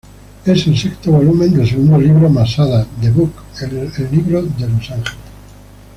Es el sexto volumen del segundo libro Masada, ""The Book of Angels"".